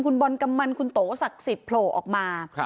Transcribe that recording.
คุณบอลกำมันคุณโตศักดิ์สิทธิ์โผล่ออกมา